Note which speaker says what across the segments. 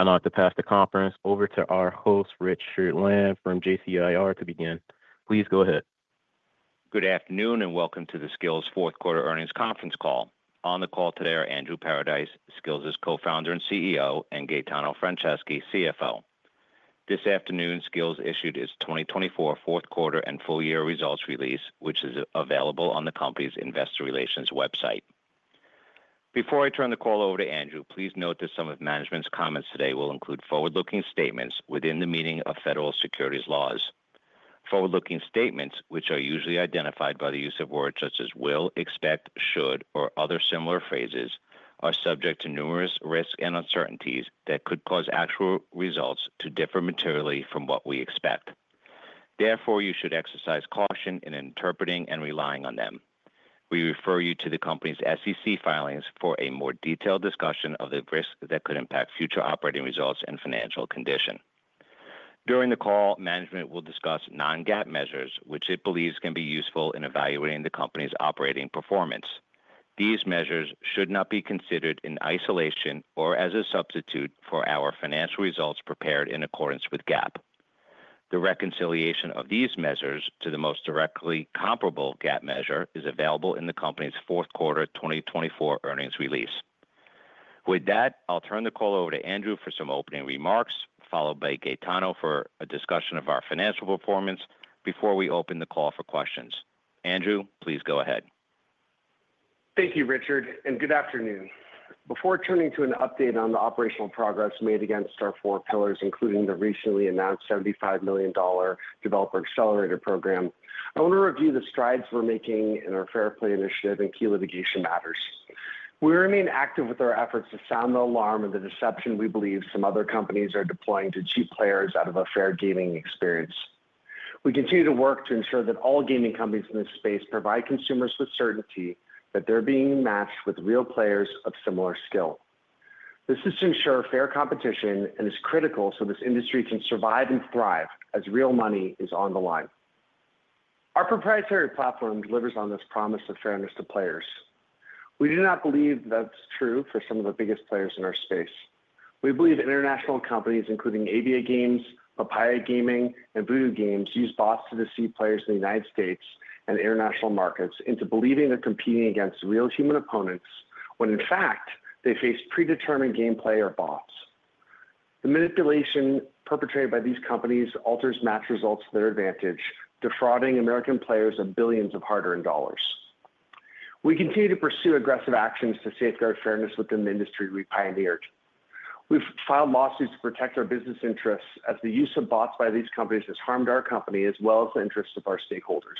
Speaker 1: I'd like to pass the conference over to our host, Richard Land from JCIR, to begin. Please go ahead.
Speaker 2: Good afternoon and welcome to the Skillz Fourth Quarter Earnings Conference Call. On the call today are Andrew Paradise, Skillz' co-founder and CEO, and Gaetano Franceschi, CFO. This afternoon, Skillz issued its 2024 fourth quarter and full-year results release, which is available on the company's investor relations website. Before I turn the call over to Andrew, please note that some of management's comments today will include forward-looking statements within the meaning of federal securities laws. Forward-looking statements, which are usually identified by the use of words such as will, expect, should, or other similar phrases, are subject to numerous risks and uncertainties that could cause actual results to differ materially from what we expect. Therefore, you should exercise caution in interpreting and relying on them. We refer you to the company's SEC filings for a more detailed discussion of the risks that could impact future operating results and financial condition. During the call, management will discuss non-GAAP measures, which it believes can be useful in evaluating the company's operating performance. These measures should not be considered in isolation or as a substitute for our financial results prepared in accordance with GAAP. The reconciliation of these measures to the most directly comparable GAAP measure is available in the company's Fourth Quarter 2024 earnings release. With that, I'll turn the call over to Andrew for some opening remarks, followed by Gaetano for a discussion of our financial performance before we open the call for questions. Andrew, please go ahead.
Speaker 3: Thank you, Rich, and good afternoon. Before turning to an update on the operational progress made against our four pillars, including the recently announced $75 million Developer Accelerator program, I want to review the strides we're making in our Fair Play initiative and key litigation matters. We remain active with our efforts to sound the alarm of the deception we believe some other companies are deploying to cheat players out of a fair gaming experience. We continue to work to ensure that all gaming companies in this space provide consumers with certainty that they're being matched with real players of similar skill. This is to ensure fair competition and is critical so this industry can survive and thrive as real money is on the line. Our proprietary platform delivers on this promise of fairness to players. We do not believe that's true for some of the biggest players in our space. We believe international companies, including AviaGames, Papaya Gaming, and Voodoo, use bots to deceive players in the United States and international markets into believing they're competing against real human opponents when, in fact, they face predetermined gameplay or bots. The manipulation perpetrated by these companies alters match results to their advantage, defrauding American players of billions of hard-earned dollars. We continue to pursue aggressive actions to safeguard fairness within the industry we pioneered. We've filed lawsuits to protect our business interests as the use of bots by these companies has harmed our company as well as the interests of our stakeholders.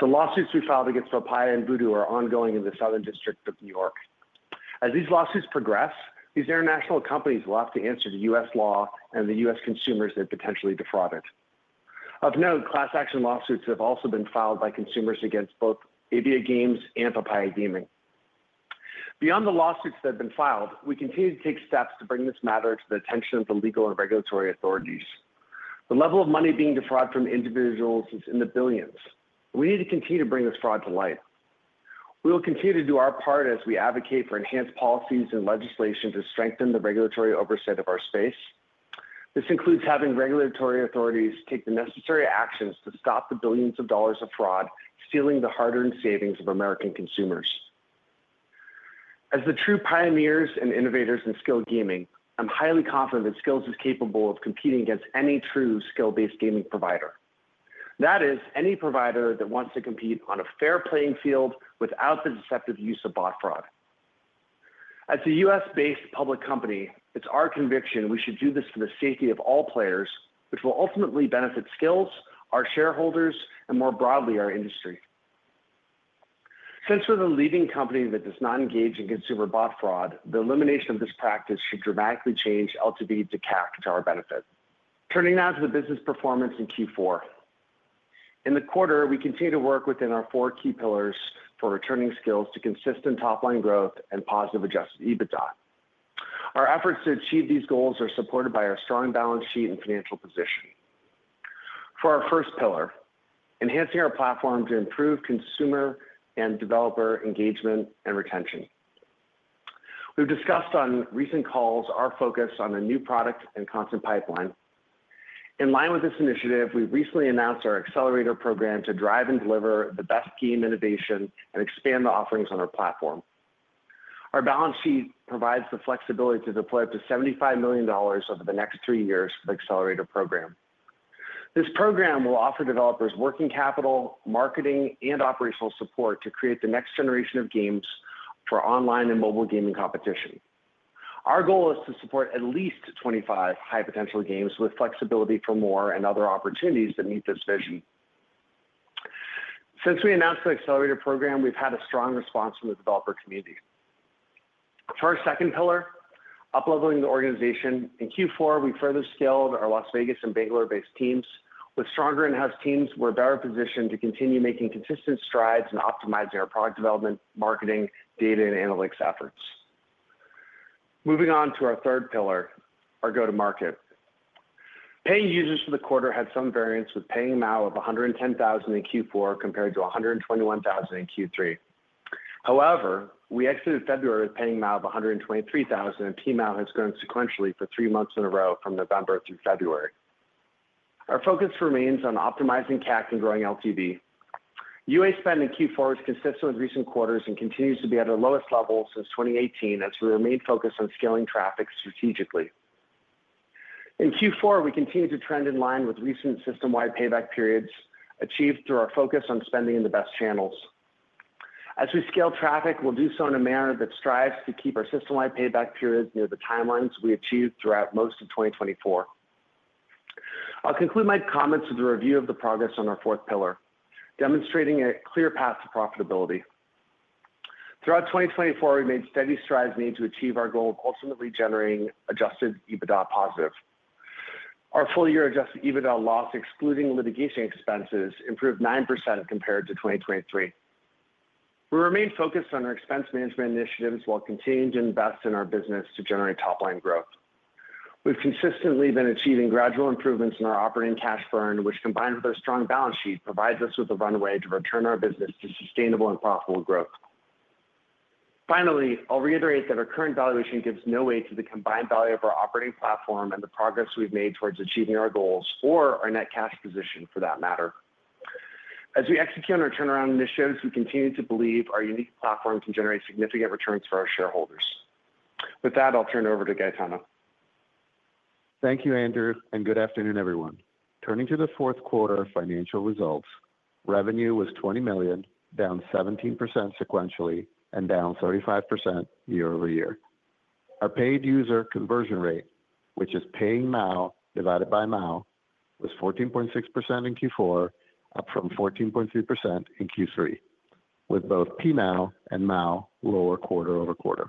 Speaker 3: The lawsuits we filed against Papaya and Voodoo are ongoing in the Southern District of New York. As these lawsuits progress, these international companies will have to answer to U.S. law and the U.S. consumers they've potentially defrauded. Of note, class action lawsuits have also been filed by consumers against both AviaGames and Papaya Gaming. Beyond the lawsuits that have been filed, we continue to take steps to bring this matter to the attention of the legal and regulatory authorities. The level of money being defrauded from individuals is in the billions. We need to continue to bring this fraud to light. We will continue to do our part as we advocate for enhanced policies and legislation to strengthen the regulatory oversight of our space. This includes having regulatory authorities take the necessary actions to stop the billions of dollars of fraud stealing the hard-earned savings of American consumers. As the true pioneers and innovators in skilled gaming, I'm highly confident that Skillz is capable of competing against any true skill-based gaming provider. That is, any provider that wants to compete on a fair playing field without the deceptive use of bot fraud. As a U.S.-based public company, it's our conviction we should do this for the safety of all players, which will ultimately benefit Skillz, our shareholders, and more broadly, our industry. Since we're the leading company that does not engage in consumer bot fraud, the elimination of this practice should dramatically change LTV to CAC to our benefit. Turning now to the business performance in Q4. In the quarter, we continue to work within our four key pillars for returning Skillz to consistent top-line growth and positive adjusted EBITDA. Our efforts to achieve these goals are supported by our strong balance sheet and financial position. For our first pillar, enhancing our platform to improve consumer and developer engagement and retention. We've discussed on recent calls our focus on a new product and content pipeline. In line with this initiative, we've recently announced our Accelerator program to drive and deliver the best game innovation and expand the offerings on our platform. Our balance sheet provides the flexibility to deploy up to $75 million over the next three years for the Accelerator program. This program will offer developers working capital, marketing, and operational support to create the next generation of games for online and mobile gaming competition. Our goal is to support at least 25 high-potential games with flexibility for more and other opportunities that meet this vision. Since we announced the Accelerator program, we've had a strong response from the developer community. For our second pillar, up-leveling the organization. In Q4, we further scaled our Las Vegas and Bangalore-based teams. With stronger in-house teams, we're better positioned to continue making consistent strides in optimizing our product development, marketing, data, and analytics efforts. Moving on to our third pillar, our go-to-market. Paying users for the quarter had some variance with Paying MAU of 110,000 in Q4 compared to $121,000 in Q3. However, we exited February with Paying MAU of $123,000, and Paying MAU has grown sequentially for three months in a row from November through February. Our focus remains on optimizing CAC and growing LTV. UA spend in Q4 was consistent with recent quarters and continues to be at our lowest level since 2018 as we remain focused on scaling traffic strategically. In Q4, we continue to trend in line with recent system-wide payback periods achieved through our focus on spending in the best channels. As we scale traffic, we'll do so in a manner that strives to keep our system-wide payback periods near the timelines we achieved throughout most of 2024. I'll conclude my comments with a review of the progress on our fourth pillar, demonstrating a clear path to profitability. Throughout 2024, we made steady strides to achieve our goal of ultimately generating adjusted EBITDA positive. Our full-year adjusted EBITDA loss, excluding litigation expenses, improved 9% compared to 2023. We remain focused on our expense management initiatives while continuing to invest in our business to generate top-line growth. We've consistently been achieving gradual improvements in our operating cash burn, which, combined with our strong balance sheet, provides us with a runway to return our business to sustainable and profitable growth. Finally, I'll reiterate that our current valuation gives no weight to the combined value of our operating platform and the progress we've made towards achieving our goals or our net cash position, for that matter. As we execute on our turnaround initiatives, we continue to believe our unique platform can generate significant returns for our shareholders. With that, I'll turn it over to Gaetano.
Speaker 4: Thank you, Andrew, and good afternoon, everyone. Turning to the fourth quarter financial results, revenue was $20 million, down 17% sequentially, and down 35% year over year. Our paid user conversion rate, which is Paying MAU divided by MAU, was 14.6% in Q4, up from 14.3% in Q3, with both Paying MAU and MAU lower quarter over quarter.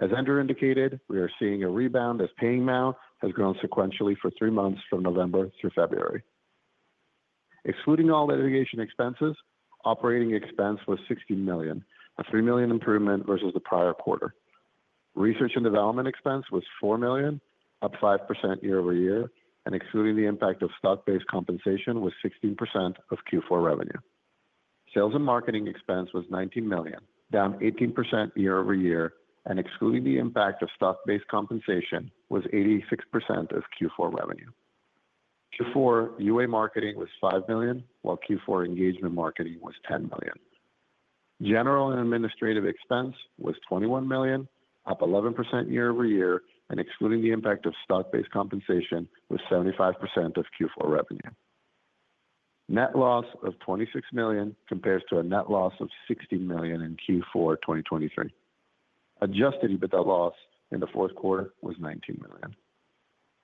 Speaker 4: As Andrew indicated, we are seeing a rebound as Paying MAU has grown sequentially for three months from November through February. Excluding all litigation expenses, operating expense was $60 million, a $3 million improvement versus the prior quarter. Research and development expense was $4 million, up 5% year over year, and excluding the impact of stock-based compensation was 16% of Q4 revenue. Sales and marketing expense was $19 million, down 18% year over year, and excluding the impact of stock-based compensation was 86% of Q4 revenue. Q4, UA marketing was $5 million, while Q4 engagement marketing was $10 million. General and administrative expense was $21 million, up 11% year over year, and excluding the impact of stock-based compensation was 75% of Q4 revenue. Net loss of $26 million compares to a net loss of $60 million in Q4 2023. Adjusted EBITDA loss in the fourth quarter was $19 million.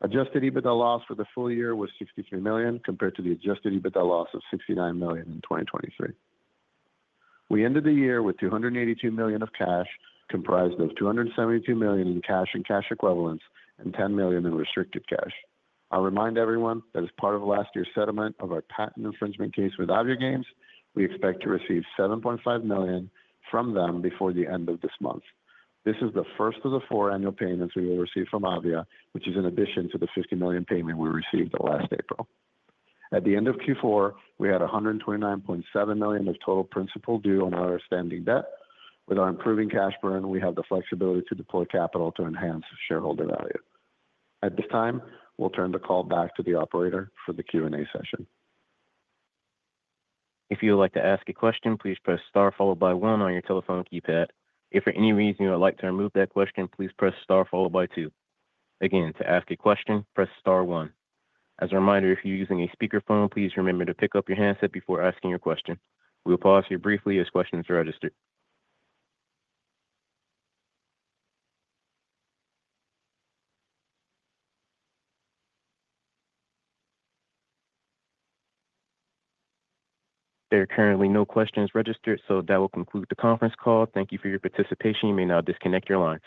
Speaker 4: Adjusted EBITDA loss for the full year was $63 million compared to the adjusted EBITDA loss of $69 million in 2023. We ended the year with $282 million of cash, comprised of $272 million in cash and cash equivalents, and $10 million in restricted cash. I'll remind everyone that as part of last year's settlement of our patent infringement case with AviaGames, we expect to receive $7.5 million from them before the end of this month. This is the first of the four annual payments we will receive from AviaGames, which is in addition to the $50 million payment we received last April. At the end of Q4, we had $129.7 million of total principal due on our outstanding debt. With our improving cash burn, we have the flexibility to deploy capital to enhance shareholder value. At this time, we'll turn the call back to the operator for the Q&A session.
Speaker 1: If you would like to ask a question, please press star followed by one on your telephone keypad. If for any reason you would like to remove that question, please press star followed by two. Again, to ask a question, press star one. As a reminder, if you're using a speakerphone, please remember to pick up your handset before asking your question. We'll pause here briefly as questions are registered. There are currently no questions registered, so that will conclude the conference call. Thank you for your participation. You may now disconnect your line.